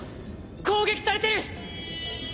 攻撃されてる！